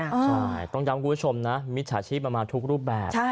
ใช่ต้องย้ำคุณผู้ชมนะมิจฉาชีพมันมาทุกรูปแบบ